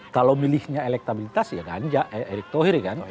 kalau milihnya elektabilitas ya ganja erick tauhri kan